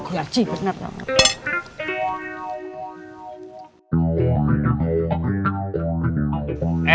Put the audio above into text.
gua sih bener